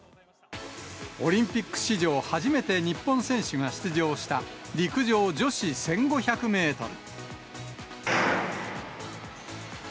オリンピック史上初めて日本選手が出場した陸上女子１５００メートル。